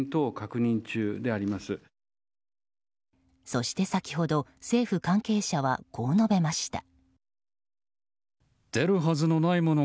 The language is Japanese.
そして先ほど、政府関係者はこう述べました。